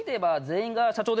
全員が社長。